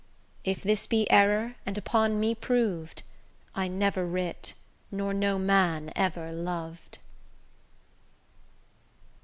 If this be error and upon me prov'd, I never writ, nor no man ever lov'd.